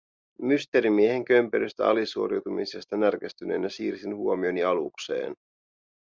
Mysteerimiehen kömpelöstä alisuoriutumisesta närkästyneenä siirsin huomioni alukseen.